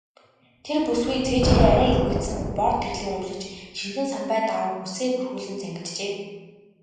Тэр бүсгүй цээжээрээ арай элбэгдсэн бор тэрлэг өмсөж, шинэхэн самбай даавууг үсээ бүрхүүлэн зангиджээ.